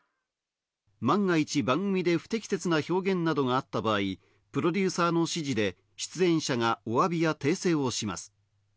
万が一、番組で不適切な表現などがあった場合、プロデューサーの指示で、出演者がお詫びや訂正をします。